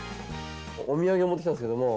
「お土産持ってきたんすけども」